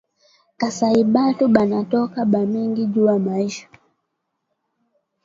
Kasayi batu banatoka ba mingi juya maisha